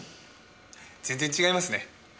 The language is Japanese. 全然違いますね。